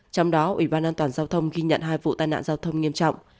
trong đó ủy ban an toàn giao thông ghi nhận hai vụ tai nạn giao thông nghiêm trọng